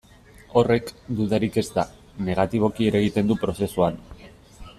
Horrek, dudarik ez da, negatiboki eragiten du prozesuan.